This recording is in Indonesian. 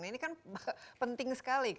ini kan penting sekali